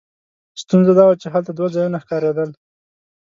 ستونزه دا وه چې هلته دوه ځایونه ښکارېدل.